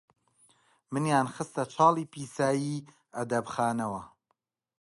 منیان خستە چاڵی پیسایی ئەدەبخانەوە،